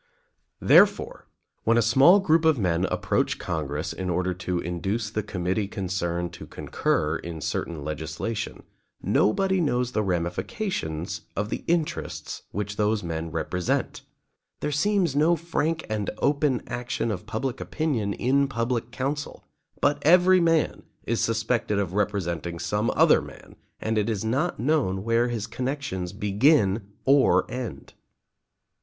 Therefore, when a small group of men approach Congress in order to induce the committee concerned to concur in certain legislation, nobody knows the ramifications of the interests which those men represent; there seems no frank and open action of public opinion in public counsel, but every man is suspected of representing some other man and it is not known where his connections begin or end.